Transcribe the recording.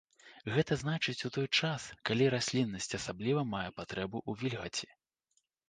Гэта значыць у той час, калі расліннасць асабліва мае патрэбу ў вільгаці.